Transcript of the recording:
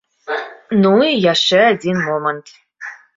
Ну, і яшчэ адзін момант.